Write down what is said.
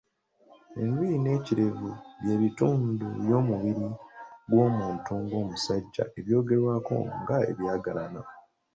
Enviiri n'ekirevu byebitundu by’omubiri gw’omuntu nga musajja ebyogerwako nga ebyagalana.